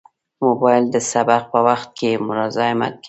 موبایل د سبق په وخت کې مزاحمت کوي.